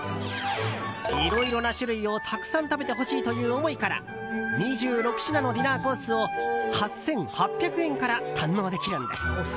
いろいろな種類をたくさん食べてほしいという思いから２６品のディナーコースを８８００円から堪能できるんです。